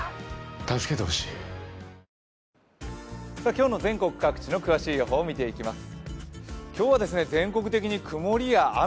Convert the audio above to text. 今日の全国各地の詳しい予報、見ていきます。